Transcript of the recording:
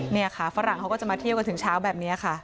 นี่ค่ะฝรั่งเขาก็จะมาเที่ยวกันถึงเช้าแบบนี้ค่ะ